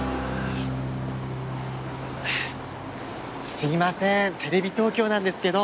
すみませんテレビ東京なんですけど。